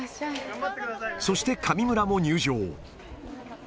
そして神村も入場。